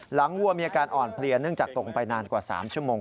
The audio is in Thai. วัวมีอาการอ่อนเพลียเนื่องจากตกไปนานกว่า๓ชั่วโมง